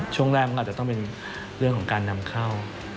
ช่วงแรกมันก็อาจจะต้องเป็นเรื่องของการนำเข้า